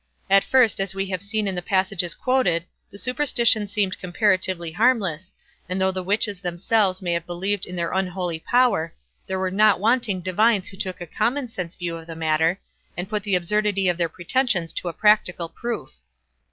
At first, as we have seen in the passages quoted, the superstition seemed comparatively harmless, and though the witches themselves may have believed in their unholy power, there were not wanting divines who took a common sense view of the matter, and put the absurdity of their pretensions to a practical proof.